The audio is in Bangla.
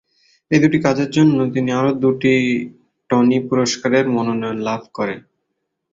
এই দুটি কাজের জন্য তিনি আরও দুটি টনি পুরস্কারের মনোনয়ন লাভ করেন।